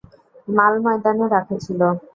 মাল ময়দানে রাখা ছিল।